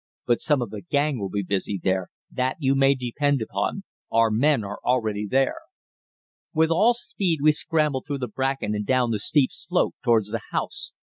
But some of the gang will be busy there, that you may depend upon our men are already there." With all speed we scrambled through the bracken and down the steep slope towards the house.